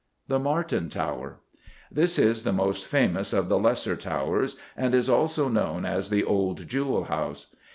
The Martin Tower. This is the most famous of the lesser towers, and is also known as the old Jewel House.